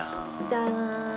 じゃん。